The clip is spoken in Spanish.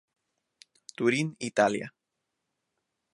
Turín, Italia.